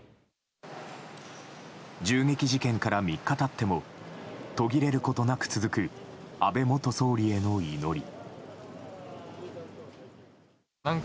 銃撃事件から３日経っても途切れることなく続く安倍元総理への祈り。